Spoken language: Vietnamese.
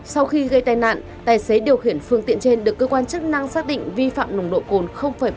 sau khi gây tai nạn tài xế điều khiển phương tiện trên được cơ quan chức năng xác định vi phạm nồng độ cồn bảy mươi bảy mg chứng đích khí thở